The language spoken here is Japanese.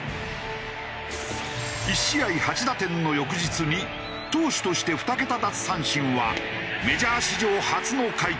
１試合８打点の翌日に投手として２桁奪三振はメジャー史上初の快挙となった。